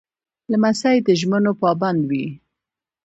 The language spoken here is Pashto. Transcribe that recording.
لمسی د ژمنو پابند وي.